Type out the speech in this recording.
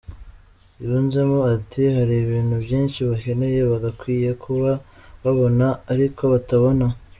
Yunzemo ati “Hari ibintu byinshi bakeneye bagakwiye kuba babona ariko batabona.